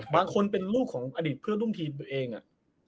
บางคนเป็นลูกของอดีตเพื่อนร่วมทีมตัวเอง